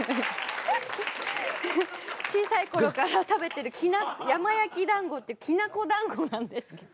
小さいころから食べてる山焼きだんごっていうきな粉団子なんですけど。